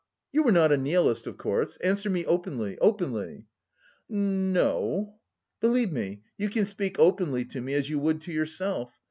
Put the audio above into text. you are not a Nihilist of course? Answer me openly, openly!" "N no..." "Believe me, you can speak openly to me as you would to yourself!